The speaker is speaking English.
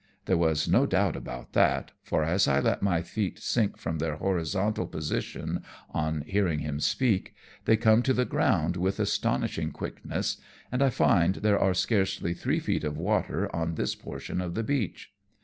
There was no doubt about that ; for as I let my feet sink from their horizontal position on hearing him speak, they come to the ground with astonishing quickness, and I find there are scarcely three feet of water on this portion of the beach.